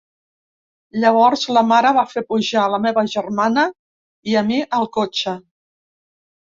Llavors, la mare va fer pujar la meva germana i a mi al cotxe.